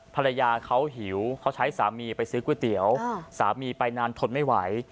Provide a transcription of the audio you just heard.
ภรรยาเขาหิวเขาใช้สามีไปซื้อก๋วยเตี๋ยวสามีไปนานทนไม่ไหว